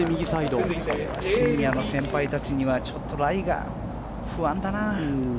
シニアの先輩たちにはちょっとライが不安だな。